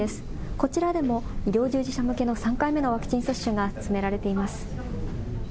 こちらでも医療従事者向けの３回目のワクチン接種が進められています。